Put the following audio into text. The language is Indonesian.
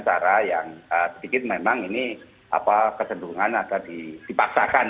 dengan cara yang sedikit memang ini kesedulungan agar dipaksakan